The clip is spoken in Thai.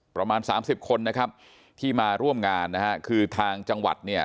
ประมาณสามสิบคนนะครับที่มาร่วมงานนะฮะคือทางจังหวัดเนี่ย